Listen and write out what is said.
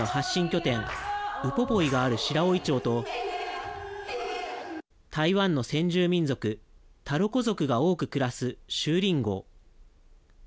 拠点ウポポイがある白老町と台湾の先住民族タロコ族が多く暮らす秀林郷。